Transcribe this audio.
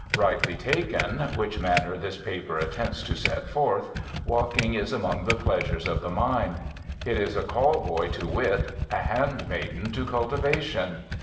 Rightly taken (which manner this paper attempts to set forth), walking is among the pleasures of the mind. It is a call boy to wit, a hand maiden to cultivation.